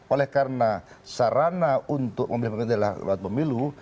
oleh karena sarana untuk memilih pemimpin dari luar pemilu